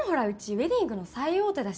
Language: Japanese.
ウェディングの最大手だし。